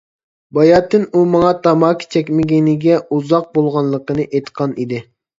باياتىن ئۇ ماڭا تاماكا چەكمىگىنىگە ئۇزاق بولغانلىقىنى ئېيتقان ئىدى.